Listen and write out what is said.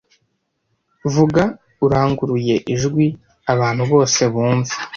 Vuga uranguruye ijwi abantu bose bumve